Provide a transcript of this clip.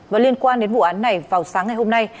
và liên quan đến vụ án này vào sáng ngày hôm nay